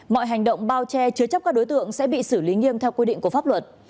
mọi hành động bao che chứa chấp các đối tượng sẽ bị xử lý nghiêm theo quy định của pháp luật